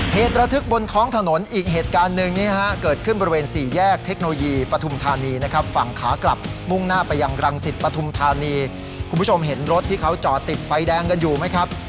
เหตุระทึกบนท้องถนนอีกเหตุการณ์หนึ่งเนี่ยฮะเกิดขึ้นบริเวณสี่แยกเทคโนโลยีปฐุมธานีนะครับฝั่งขากลับมุ่งหน้าไปยังรังสิตปฐุมธานีคุณผู้ชมเห็นรถที่เขาจอดติดไฟแดงกันอยู่ไหมครับ